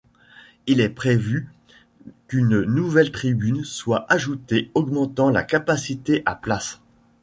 Il est prévu qu'une nouvelle tribune soit ajoutée, augmentant la capacité à places.